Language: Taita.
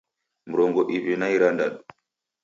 Mrongo iw'i na irandadu